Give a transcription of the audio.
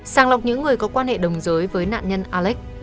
sàng lọc những người có quan hệ đồng giới với nạn nhân alex